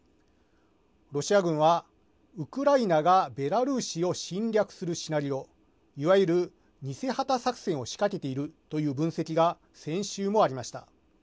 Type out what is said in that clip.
ロシア軍はウクライナがベラルーシを侵略するシナリオいわゆる偽旗作戦を仕掛けているという分析が先週もありました。